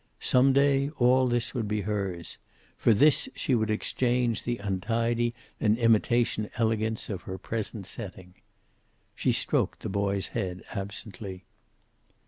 Some day all this would be hers. For this she would exchange the untidy and imitation elegance of her present setting. She stroked the boy's head absently.